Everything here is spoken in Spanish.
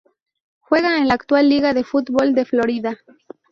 Juega en la actual Liga de Fútbol de Florida.